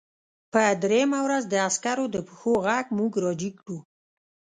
په درېیمه ورځ د عسکرو د پښو غږ موږ راجګ کړو